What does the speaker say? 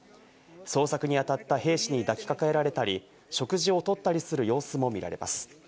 捜索に当たった兵士に抱きかかえられたり、食事をとったりする様子も見られます。